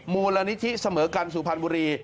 มูลนิธิเสมอกันสุพรรณบุรี